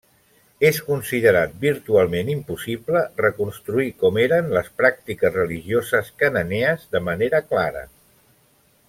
És considerat virtualment impossible reconstruir com eren les pràctiques religioses cananees de manera clara.